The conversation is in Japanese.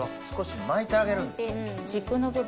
少し巻いてあげるんですね。